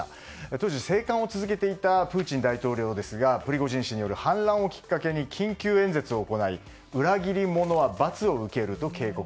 当時、静観を続けていたプーチン大統領ですがプリゴジン氏による反乱をきっかけに緊急演説を行い裏切り者は罰を受けると警告。